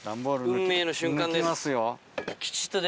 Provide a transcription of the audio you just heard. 運命の瞬間です。